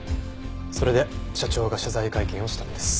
それで社長が謝罪会見をしたんです。